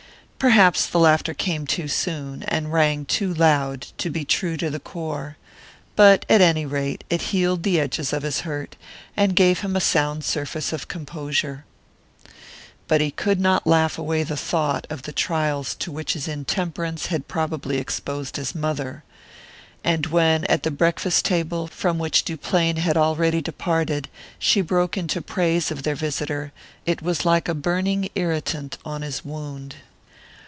Perhaps the laughter came too soon, and rang too loud, to be true to the core; but at any rate it healed the edges of his hurt, and gave him a sound surface of composure. But he could not laugh away the thought of the trials to which his intemperance had probably exposed his mother; and when, at the breakfast table, from which Duplain had already departed, she broke into praise of their visitor, it was like a burning irritant on his wound.